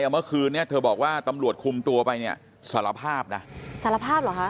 เมื่อคืนนี้เธอบอกว่าตำรวจคุมตัวไปเนี่ยสารภาพนะสารภาพเหรอคะ